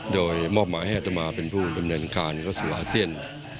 โดยมอบหมายให้อัตมาเป็นผู้ดำเนินการเข้าสู่อาเซียน